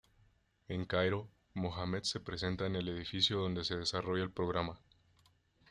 En Cairo, Mohammed se presenta en el edificio donde se desarrolla el programa.